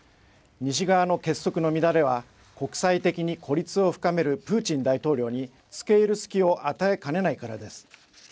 西側の結束の乱れは国際的に孤立を深めるプーチン大統領につけいる隙を与えかねないからです。